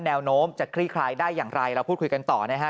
แนวโน้มจะคลี่คลายได้อย่างไรเราพูดคุยกันต่อนะฮะ